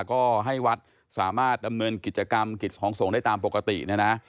ก็ให้วัดสามารถดำเนินกิจกรรมกิจของส่งได้ตามปกตินะนะ